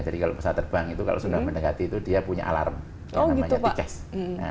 jadi kalau pesawat terbang itu kalau sudah mendekati itu dia punya alarm namanya t case